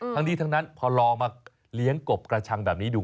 ทั้งนี้ทั้งนั้นพอลองมาเลี้ยงกบกระชังแบบนี้ดู